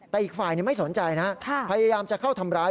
แต่อีกฝ่ายไม่สนใจนะพยายามจะเข้าทำร้าย